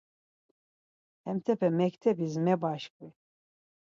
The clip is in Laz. Hemtepe mektebis mebaşkvi.